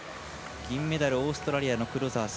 銀メダルオーストラリアのクロザース。